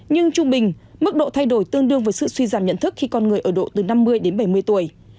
nhưng trung bình mức độ thay đổi tương đương với sự suy giảm nhận thức khi con người ở độ từ năm mươi đến bảy mươi tuổi